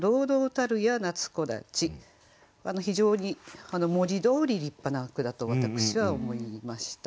非常に文字どおり立派な句だと私は思いました。